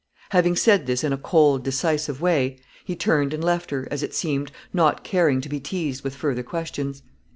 Having said this in a cold, decisive way, he turned and left her, as it seemed, not caring to be teased with further questions.